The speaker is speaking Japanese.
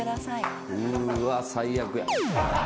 うわ最悪や。